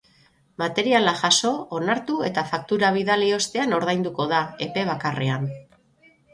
Materiala jaso, onartu eta faktura bidali ostean ordainduko da, epe bakarrean.